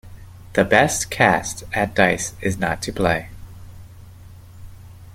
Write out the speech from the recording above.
The best cast at dice is not to play.